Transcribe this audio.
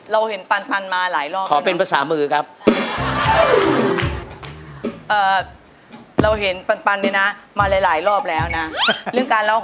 เราเห็นปันปันมาหลายรอบแล้วนะนะครับ